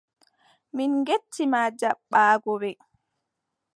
Min njetti ma jaɓɓaago ɓe.